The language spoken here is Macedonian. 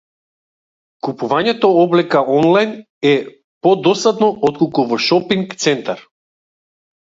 Купувањето облека онлајн е подосадно отколку во шопинг центар.